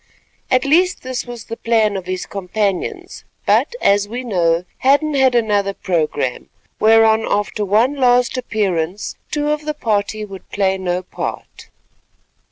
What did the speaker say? At least this was the plan of his companions; but, as we know, Hadden had another programme, whereon after one last appearance two of the party would play no part.